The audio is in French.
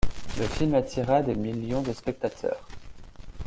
Le film attira des millions de spectateurs.